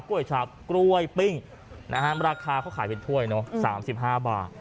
กล้วยชาปกล้วยปิ้งนะฮะราคาเขาขายเป็นถ้วยเนอะสามสิบห้าบาท